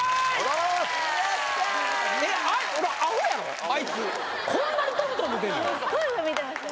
アホやろあいつこんなにとぶと思てんのよ